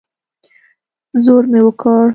زور مې وکړ.